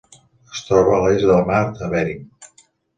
Es troba a l'est del Mar de Bering.